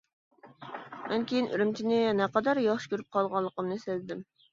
مەن كېيىن، ئۈرۈمچىنى نەقەدەر ياخشى كۆرۈپ قالغانلىقىمنى سەزدىم.